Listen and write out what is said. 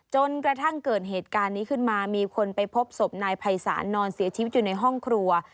จนกระทั่งเกิดเหตุการณ์นี้ขึ้นมามีคนไปพบศพนายภัยศาลนอนเสียชีวิตอยู่ในห้องครัว